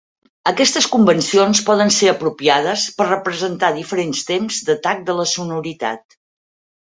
Aquestes convencions poden ser apropiades per representar diferents temps d'atac de la sonoritat.